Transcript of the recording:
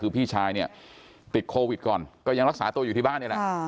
คือพี่ชายเนี่ยติดโควิดก่อนก็ยังรักษาตัวอยู่ที่บ้านนี่แหละ